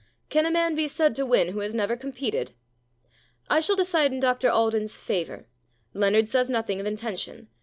* Can a man be said to win v/ho has never competed ? I shall decide in Dr Alden's favour. Leonard says nothing of intention.